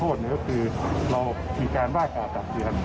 ก็คือเรามีการว่ากากตัดสิน